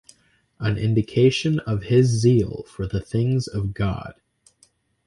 An indication of his zeal for the things of God.